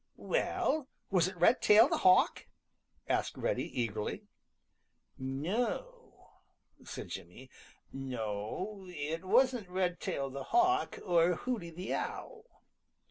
"Well, was it Redtail the Hawk?" asked Reddy eagerly. "No," said Jimmy. "No, it wasn't Redtail the Hawk or Hooty the Owl.